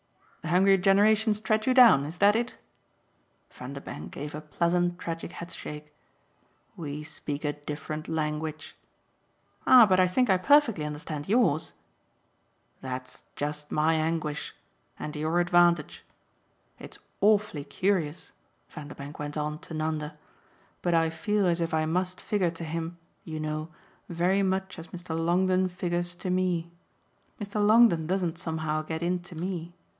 "The hungry generations tread you down is that it?" Vanderbank gave a pleasant tragic headshake. "We speak a different language." "Ah but I think I perfectly understand yours!" "That's just my anguish and your advantage. It's awfully curious," Vanderbank went on to Nanda, "but I feel as if I must figure to him, you know, very much as Mr. Longdon figures to me. Mr. Longdon doesn't somehow get into me.